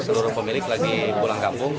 seluruh pemilik lagi pulang kampung